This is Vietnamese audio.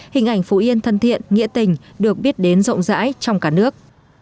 hình ảnh phú yên thân thiện nghĩa tình được biết đến rộng rãi trong cả nước